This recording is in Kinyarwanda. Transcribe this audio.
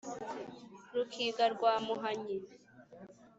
rukiga rwa muhanyi